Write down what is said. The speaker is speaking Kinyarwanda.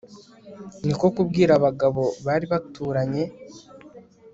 niko kubwira abagabo bari baturanye